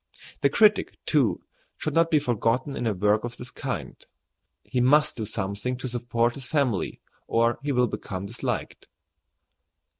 The critic, too, should not be forgotten in a work of this kind. He must do something to support his family, or he will become disliked.